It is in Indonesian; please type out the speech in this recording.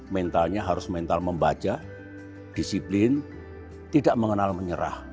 mentalnya harus mental membaca disiplin tidak mengenal menyerah